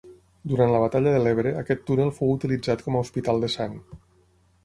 Durant la Batalla de l'Ebre, aquest túnel fou utilitzat com a Hospital de Sang.